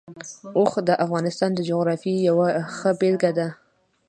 اوښ د افغانستان د جغرافیې یوه ښه بېلګه ده.